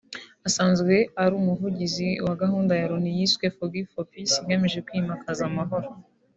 Asanzwe ari n’umuvugizi wa gahunda ya Loni yiswe ForgiveForPeace igamije kwimakaza amahoro